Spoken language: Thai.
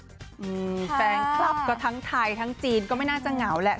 แฟนคลับก็ทั้งไทยทั้งจีนก็ไม่น่าจะเหงาแหละ